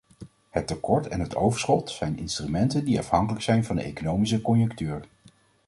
Het tekort en het overschot zijn instrumenten die afhankelijk zijn van de economische conjunctuur.